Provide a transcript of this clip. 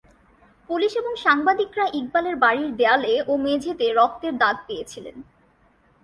Police ও সাংবাদিকরা ইকবালের বাড়ির দেয়ালে ও মেঝেতে রক্তের দাগ পেয়েছিলেন।